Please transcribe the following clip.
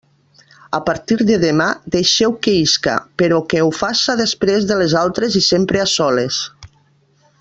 A partir de demà deixeu que isca, però que ho faça després de les altres i sempre a soles.